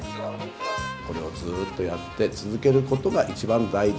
これをずっとやって続けることが一番大事。